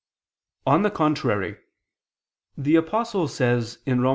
On the contrary, The Apostle says (Rom.